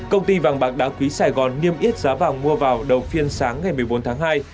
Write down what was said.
công ty vàng bạc đá quý sài gòn niêm yết giá vàng mua vào đầu phiên sáng ngày một mươi bốn tháng hai